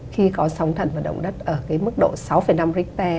khi có sóng thần và động đất ở cái mức độ sáu năm richter